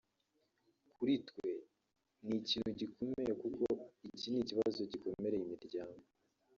Kuri twe ni ikintu gikomeye kuko iki ni ikibazo gikomereye imiryango